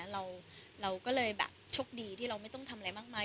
เราก็เลยแบบโชคดีที่เราไม่ต้องทำอะไรมากมาย